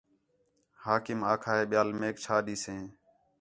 حاکم آکھا ہِے ٻِیال میک چَھا ݙیسن